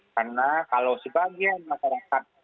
karena kalau sebagian masyarakat